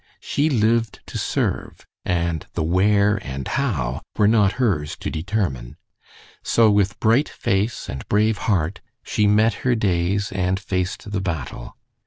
She lived to serve, and the where and how were not hers to determine. So, with bright face and brave heart, she met her days and faced the battle.